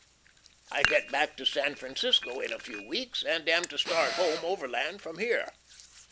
.... I get back to San Francisco in a few weeks, and am to start home Overland from here.